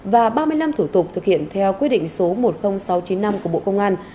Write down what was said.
và ba mươi năm thủ tục thực hiện theo quyết định số một mươi nghìn sáu trăm chín mươi năm của bộ công an